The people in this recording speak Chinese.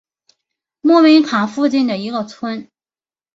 穆梅卡附近的一个村。